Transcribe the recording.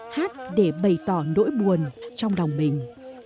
hát để bày tỏ nỗi buồn trong đồng mình